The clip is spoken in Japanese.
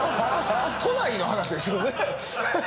都内の話ですよね？